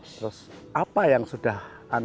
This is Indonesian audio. terus apa yang sudah anda lakukan